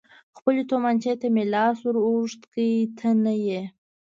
خپلې تومانچې ته مې لاس ور اوږد کړ، ته نه یې.